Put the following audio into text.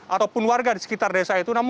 ataupun warga di sekitar desa itu